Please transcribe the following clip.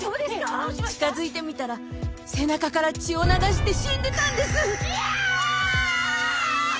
近づいてみたら背中から血を流して死んでたんです！